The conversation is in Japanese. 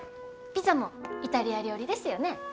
ピザもイタリア料理ですよね。